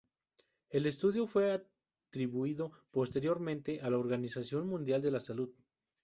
El estudio fue atribuido posteriormente a la Organización Mundial de la Salud.